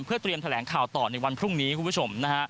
เพื่อเตรียมแถลงข่าวต่อในวันพรุ่งนี้คุณผู้ชมนะฮะ